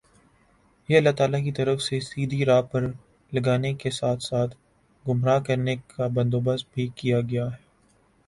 کہ اللہ تعالیٰ کی طرف سے سیدھی راہ پر لگانے کے ساتھ ساتھ گمراہ کرنے کا بندوبست بھی کیا گیا ہے